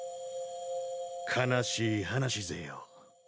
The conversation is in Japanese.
悲しい話ぜよ。